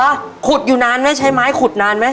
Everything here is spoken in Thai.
ขุดอยู่นานไหมใช้ไม้ขุดนานไหม